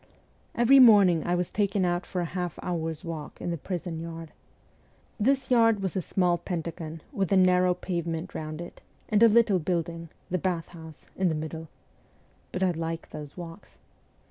Every morning I was taken out for a half hour's walk in the prison yard. This yard was a small pentagon with a narrow pavement round it, and a little building the bath house in the middle. But I liked those walks.